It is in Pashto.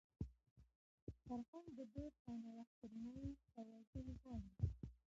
فرهنګ د دود او نوښت تر منځ توازن غواړي.